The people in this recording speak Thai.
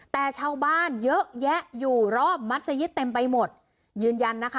แต่ชาวบ้านเยอะแยะอยู่รอบมัศยิตเต็มไปหมดยืนยันนะคะ